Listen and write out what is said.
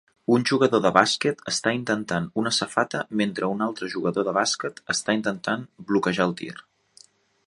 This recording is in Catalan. Un jugador de bàsquet està intentant una safata mentre un altre jugador de bàsquet està intentant bloquejar el tir.